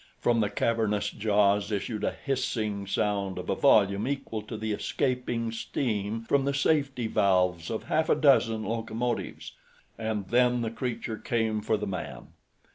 From the cavernous jaws issued a hissing sound of a volume equal to the escaping steam from the safety valves of half a dozen locomotives, and then the creature came for the man.